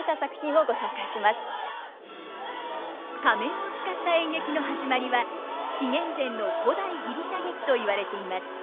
仮面を使った演劇のはじまりは紀元前の古代ギリシャ劇と言われています。